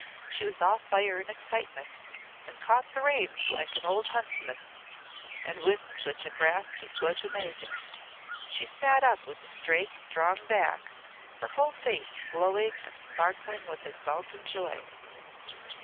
She was all fire and excitement, and caught the reins like an old huntsman, and with such a grasp as was amazing. She sat up with a straight, strong back, her whole face glowing and sparkling with exultant joy.